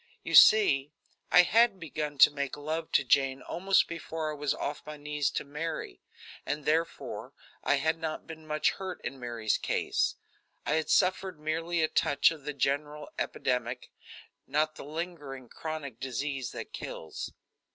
You see, I had begun to make love to Jane almost before I was off my knees to Mary, and, therefore, I had not been much hurt in Mary's case. I had suffered merely a touch of the general epidemic, not the lingering, chronic disease that kills.